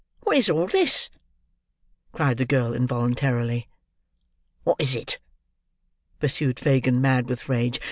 "What is all this?" cried the girl involuntarily. "What is it?" pursued Fagin, mad with rage.